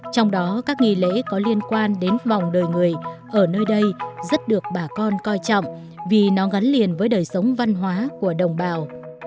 trong đó các nghi lễ có liên quan đến vòng đời người ở nơi đây rất được bà con coi trọng vì nó gắn liền với đời sống văn hóa của đồng bào